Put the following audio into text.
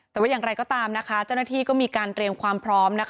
แต่ว่าอย่างไรก็ตามนะคะเจ้าหน้าที่ก็มีการเตรียมความพร้อม